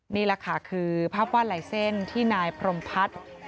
นี่แหละค่ะคือภาพวาดลายเส้นที่นายพรมพัฒน์